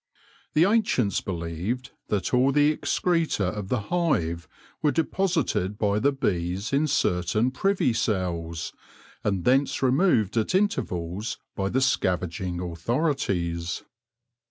The Ancients believed that all the excreta of the hive were de posited by the bees in certain privy cells, and thence removed at intervals by the scavenging authorities.